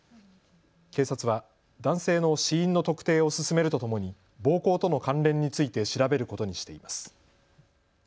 警察は男性の死因の特定を進めるとともに暴行との関連について調べることにしています。